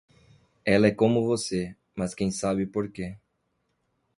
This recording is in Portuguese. Ela é como você, mas quem sabe porque.